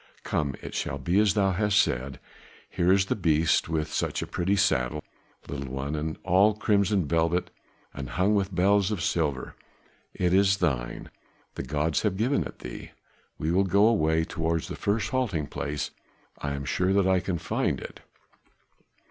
Come! it shall be as thou hast said, here is the beast, with such a pretty saddle, little one, all of crimson velvet, and hung with bells of silver. It is thine, the gods have given it thee. We will go away towards the first halting place, I am sure that I can find it."